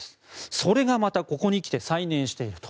それがまたここにきて再燃していると。